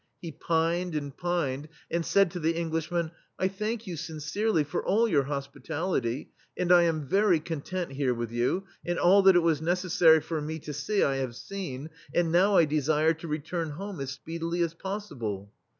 He pined, and pined, and said to the Englishmen: "I thank you sincerely for all your hospitality, and I am very content here with you, and all that it was necessary for me to see I have seen, and now I desire to return home as speedily as possible.'